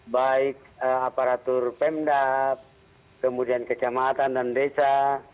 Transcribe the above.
baik aparatur pemda kemudian kecamatan dan desa